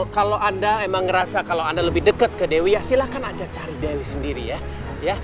kalau anda emang ngerasa kalau anda lebih dekat ke dewi ya silahkan aja cari dewi sendiri ya